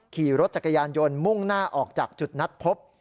ขี่รถจักรยานยนต์มุ่งหน้าออกจากจุดนัดพบ